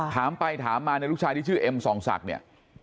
ถามไปถามมาเนี่ยลูกชายที่ชื่อเอ็มส่องศักดิ์เนี่ย